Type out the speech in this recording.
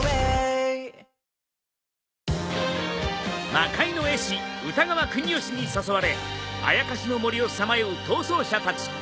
魔界の絵師歌川国芳に誘われ妖の森をさまよう逃走者たち。